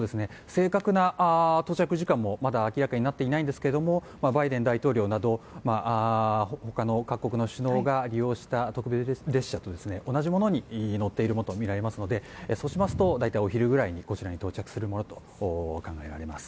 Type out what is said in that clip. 正確な到着時間もまだ明らかになっていないんですがバイデン大統領などほかの各国の首脳が利用した特別列車と同じものに乗っているものとみられますのでそうしますと大体、お昼ぐらいにこちらに到着するものとみられます。